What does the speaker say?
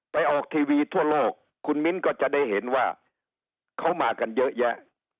ออกทีวีทั่วโลกคุณมิ้นก็จะได้เห็นว่าเขามากันเยอะแยะ